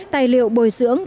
tài liệu bồi dưỡng